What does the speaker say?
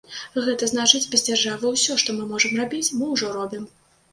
Гэта значыць, без дзяржавы ўсё, што мы можам рабіць, мы ўжо робім.